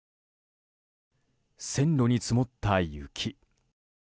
線路に積もった雪。